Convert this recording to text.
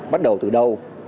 bắt đầu từ đâu